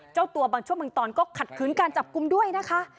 เจ้าตัวบางช่วงบางตอนก็ขัดขืนการจับกลุ่มด้วยนะคะ